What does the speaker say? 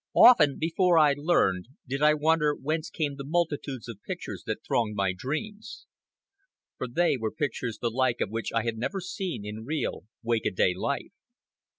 Often, before I learned, did I wonder whence came the multitudes of pictures that thronged my dreams; for they were pictures the like of which I had never seen in real wake a day life.